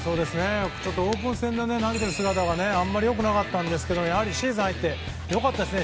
ちょっとオープン戦で投げている姿が良くなかったんですけどやはりシーズンに入って良かったですね。